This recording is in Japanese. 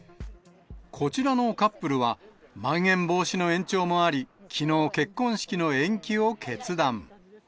こちらのカップルは、まん延防止の延長もあり、きのう、結婚式の延期を決断。